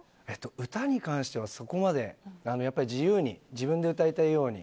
歌に関してはそこまで自由に、自分で歌いたいように。